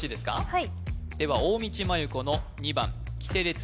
はいでは大道麻優子の２番きてれつ